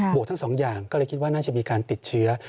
วกทั้งสองอย่างก็เลยคิดว่าน่าจะมีการติดเชื้อ